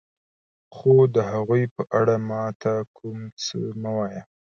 خو د هغوی په اړه ما ته کوم څه مه وایه.